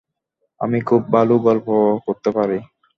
আমি খুব ভালো গল্প করতে পারি।